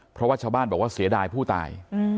เพราะว่าชาวบ้านบอกว่าเสียดายผู้ตาย